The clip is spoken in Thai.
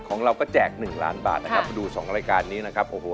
ของเราก็แจก๑ล้านบาทนะครับมาดูสองรายการนี้นะครับโอ้โห